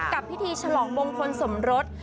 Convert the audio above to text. กับพิธีฉลองมงคลสมรส